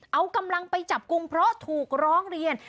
เอากำลังไปจับกลุ่มเพราะถูกร้องเรียน